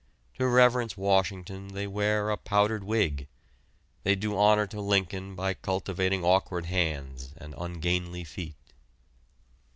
To reverence Washington they wear a powdered wig; they do honor to Lincoln by cultivating awkward hands and ungainly feet.